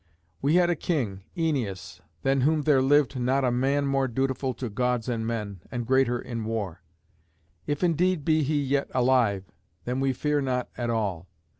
We had a king, Æneas, than whom there lived not a man more dutiful to Gods and men, and greater in war. If indeed he be yet alive, then we fear not at all.